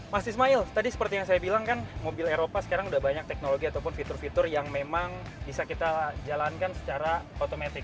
mas ismail tadi seperti yang saya bilang kan mobil eropa sekarang sudah banyak teknologi ataupun fitur fitur yang memang bisa kita jalankan secara otomatis